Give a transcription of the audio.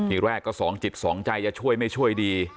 ทีแรกก็สองจิตสองใจจะช่วยไม่ช่วยดี